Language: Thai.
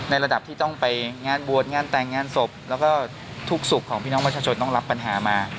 ในระดับที่งานวัฒน์งานแตงงานศพแล้วก็ธุกษุของพี่น้องมโชคชนต้องรับปัญหามา